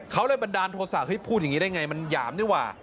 เขาเลยบันดาลโทษะเฮ้ยพูดอย่างนี้ได้ไงมันหยามนี่หว่า